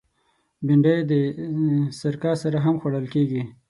بېنډۍ د سرکه سره هم خوړل کېږي